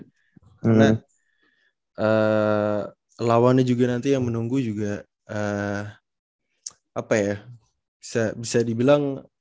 karena lawannya juga nanti yang menunggu juga apa ya bisa dibilang